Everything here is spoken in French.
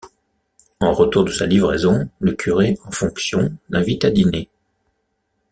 En retour de sa livraison, le curé en fonction l'invite à dîner.